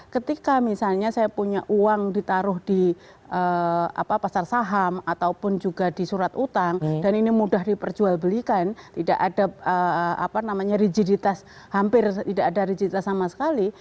ketika misalnya saya punya uang ditaruh di pasar saham ataupun juga di surat utang dan ini mudah diperjualbelikan tidak ada rigiditas hampir tidak ada rigiditas sama sekali